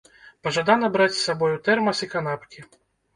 Пажадана браць з сабою тэрмас і канапкі.